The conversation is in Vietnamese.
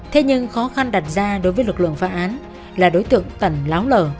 thế nhưng khó khăn đặt ra đối với lực lượng phá án là đối tượng tẩn láo lở